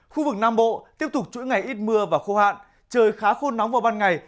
khu vực nam bộ tiếp tục chuỗi ngày ít mưa và khô hạn trời khá khô nóng vào ban ngày